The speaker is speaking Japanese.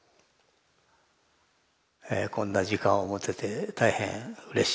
こんな時間を持てて大変うれしい。